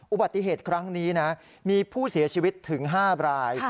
อุบัติเหตุครั้งนี้นะมีผู้เสียชีวิตถึง๕ราย